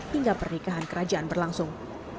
hingga pernikahan kerajaan berlangsung